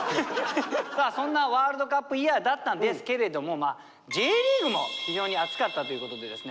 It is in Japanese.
さあそんなワールドカップイヤーだったんですけれどもＪリーグも非常に熱かったということでですね